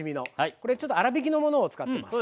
これちょっと粗びきのものを使ってます。